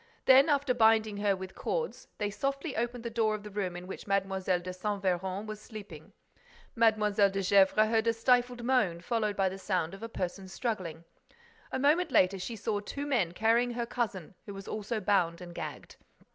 Then, after binding her with cords, they softly opened the door of the room in which Mlle. de Saint Véran was sleeping. Mlle. de Gesvres heard a stifled moan, followed by the sound of a person struggling. A moment later, she saw two men carrying her cousin, who was also bound and gagged.